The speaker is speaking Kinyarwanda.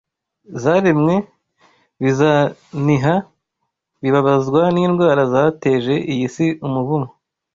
zaremwe bizaniha bibabazwa n’indwara zateje iyi si umuvumo.